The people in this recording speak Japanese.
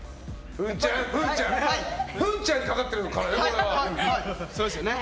ふんちゃんにかかってるんだからね。